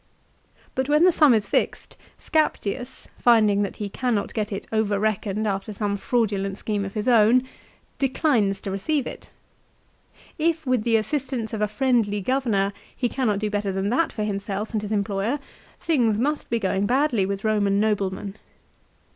But when the sum is fixed Scaptius, finding that he cannot get it over reckoned after some fraudulent scheme of his own, declines to receive it. If with the assistance of a friendly governor he cannot do hetter than that for himself and his employer, things must be going badly with Eoman noblemen.